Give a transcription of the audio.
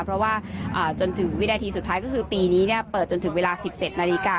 เพราะว่าจนถึงวินาทีสุดท้ายก็คือปีนี้เปิดจนถึงเวลา๑๗นาฬิกา